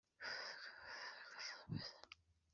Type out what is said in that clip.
yesaya yabyaye abana batanu gusa